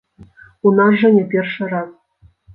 У нас жа не першы раз.